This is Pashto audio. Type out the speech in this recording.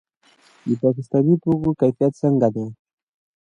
د پاکستاني توکو کیفیت څنګه دی؟